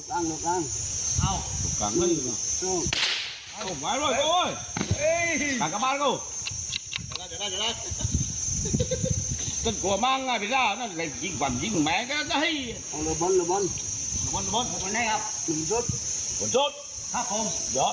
อ้าวเห็นไหมผ้าผู้เลยตากลับบ้านดูกันก่อน